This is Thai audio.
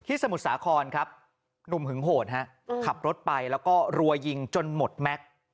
สมุทรสาครครับหนุ่มหึงโหดฮะขับรถไปแล้วก็รัวยิงจนหมดแม็กซ์